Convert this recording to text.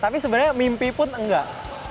tapi sebenarnya mimpi pun enggak